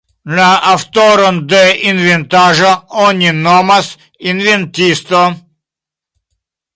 La aŭtoron de inventaĵo oni nomas inventisto.